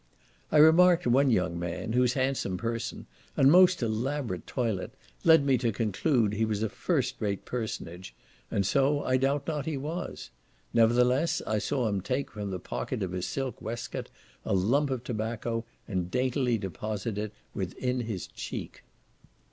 I remarked one young man, whose handsome person, and most elaborate toilet, led me to conclude he was a first rate personage, and so I doubt not he was; nevertheless, I saw him take from the pocket of his silk waistcoat a lump of tobacco, and daintily deposit it within his cheek.